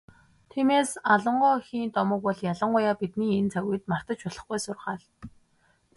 Тиймээс, Алан гоо эхийн домог бол ялангуяа бидний энэ цаг үед мартаж болохгүй сургаал.